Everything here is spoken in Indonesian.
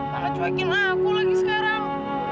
malah cuekin aku lagi sekarang